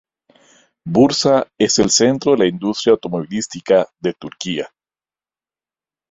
Bursa es el centro de la industria automovilística de Turquía.